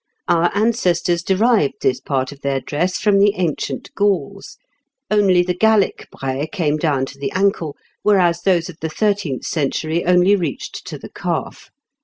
.... Our ancestors derived this part of their dress from the ancient Gauls; only the Gallic braies came down to the ankle, whereas those of the thirteenth century only reached to the calf.